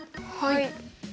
はい。